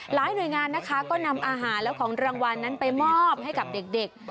หลายหน่วยงานนะคะก็นำอาหารและของรางวัลนั้นไปมอบให้กับเด็ก